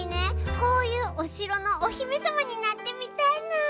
こういうおしろのおひめさまになってみたいな。